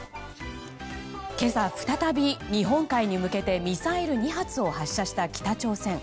今朝、再び日本海に向けてミサイル２発を発射した北朝鮮。